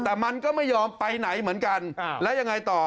แต่มันก็ไม่ยอมไปไหนเหมือนกันแล้วยังไงต่อ